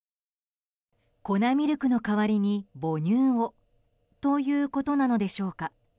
粉ミルクの代わりに母乳をということなのでしょうか。